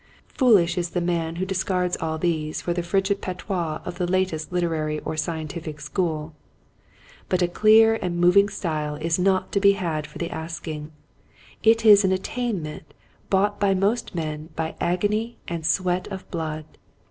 Foolish is the man who discards all these for the frigid patois of the latest literary or scientific school. But a clear and moving style is not to be had for the asking. It is an attainment bought by most men by agony and sweat of blood.